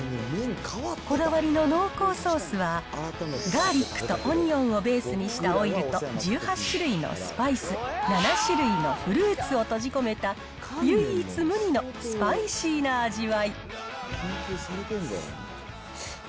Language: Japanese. こだわりの濃厚ソースは、ガーリックとオニオンをベースにしたオイルと１８種類のスパイス、７種類のフルーツを閉じ込めた、唯一無二のスパイシーな味わい。